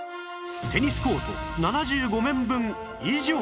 テニスコート７５面分以上